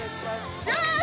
よし！